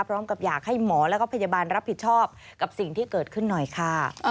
พร้อมกับอยากให้หมอแล้วก็พยาบาลรับผิดชอบกับสิ่งที่เกิดขึ้นหน่อยค่ะ